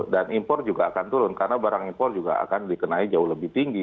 dan impor juga akan turun karena barang impor juga akan dikenai jauh lebih tinggi